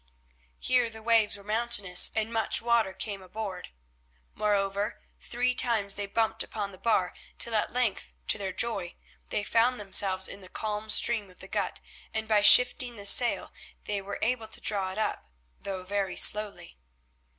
Here the waves were mountainous and much water came aboard. Moreover, three times they bumped upon the bar, till at length, to their joy, they found themselves in the calm stream of the gut, and, by shifting the sail, were able to draw it up, though very slowly.